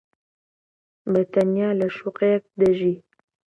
بەتەنیا لە شوقەیەک دەژی.